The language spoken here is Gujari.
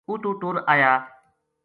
اُتو ٹُر آیا